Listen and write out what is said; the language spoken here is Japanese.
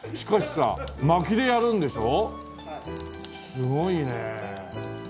すごいね。